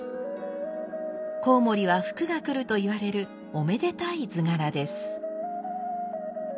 こうもりは福が来るといわれるおめでたい図柄です。